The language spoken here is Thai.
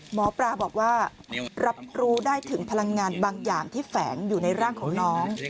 หมอปลาบอกว่ารับรู้ได้ถึงพลังงานบางอย่างที่แฝงอยู่ในร่างของน้อง